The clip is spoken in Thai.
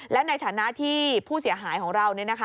และในฐานะที่ผู้เสียหายของเรา